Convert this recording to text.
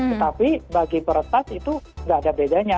tetapi bagi peretas itu nggak ada bedanya